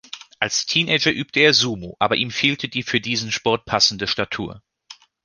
Als Teenager übte er Sumo, aber ihm fehlte die für diesen Sport passende Statur.